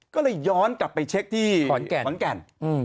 ก็เลยย้อนกลับไปเช็คที่ขอนแก่น